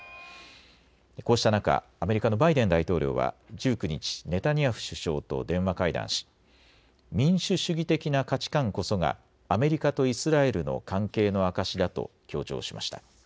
こうした中、アメリカのバイデン大統領は１９日、ネタニヤフ首相と電話会談し民主主義的な価値観こそがアメリカとイスラエルの関係の証しだと強調しました。